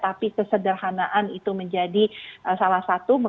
tapi kesederhanaan itu menjadi salah satu